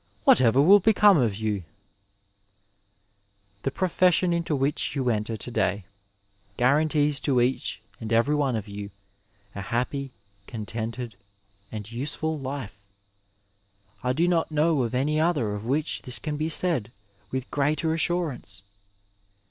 whatever will become of you ?" The profes sion into which you enter to day guarantees to each and every one of you a happy, contented, and useful life. I do not know of any other of which this can be said with greater assurance.